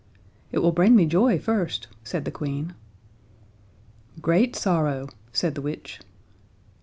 "It will bring me joy first," said the Queen. "Great sorrow," said the witch.